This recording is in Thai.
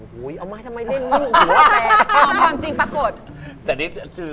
โหนเอาไปทำไมเล่นมาก